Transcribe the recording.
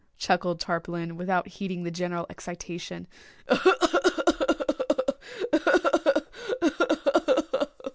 chuckled Tarpaulin without heeding the general excitation, "ugh!